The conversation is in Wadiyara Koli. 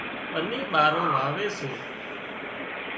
ٻنِي ٻارو واوي سي